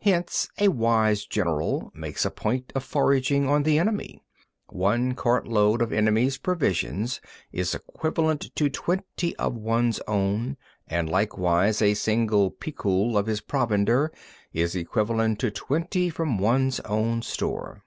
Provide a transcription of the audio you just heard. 15. Hence a wise general makes a point of foraging on the enemy. One cartload of the enemy's provisions is equivalent to twenty of one's own, and likewise a single picul of his provender is equivalent to twenty from one's own store.